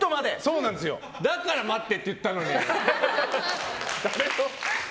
だから待ってって言ったのに。